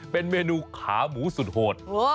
เป็นเมนูขาหมูสุดโหด